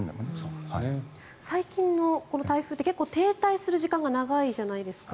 最近の台風って停滞する時間が長いじゃないですか。